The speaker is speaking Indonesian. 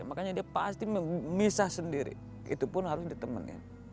makanya dia pasti memisah sendiri itu pun harus ditemenin